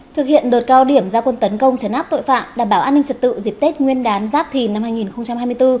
thực hiện đợt cao điểm gia quân tấn công chấn áp tội phạm đảm bảo an ninh trật tự dịp tết nguyên đán giáp thìn năm hai nghìn hai mươi bốn